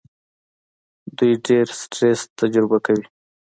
دوی ډېر سټرس تجربه کوي.